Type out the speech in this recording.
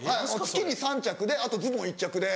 月に３着であとズボン１着で。